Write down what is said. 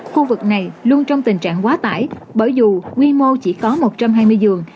khu vực này luôn trong tình trạng quá tải bởi dù quy mô chỉ có một trăm hai mươi giường